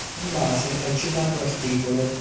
In base al citato art.